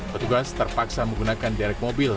petugas terpaksa menggunakan derek mobil